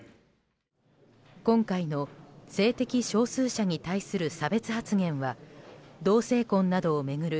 今回の性的少数者に対する差別発言は同性婚などを巡る